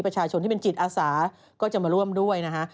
ประชาชนที่เป็นจิตอาสาก็จะมาร่วมด้วยนะฮะ